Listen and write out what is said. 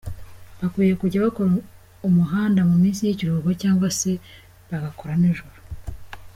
Bakwiriye kujya bakora umuhanda mu minsi y’ikiruhuko cyangwa se bagakora nijoro.